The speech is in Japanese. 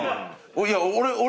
いや俺俺